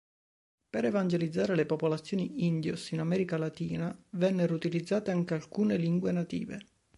Per evangelizzare le popolazioni "indios", in America latina, vennero utilizzate anche alcune lingue native.